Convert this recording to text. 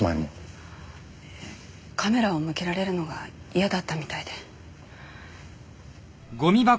カメラを向けられるのが嫌だったみたいで。